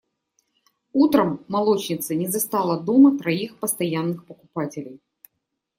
Утром молочница не застала дома троих постоянных покупателей.